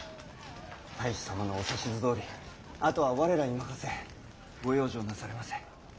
太守様のお指図どおりあとは我らに任せご養生なされませ。